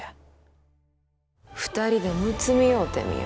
２人でむつみ合うてみよ。